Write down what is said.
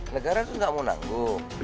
negara itu tidak mau nanggu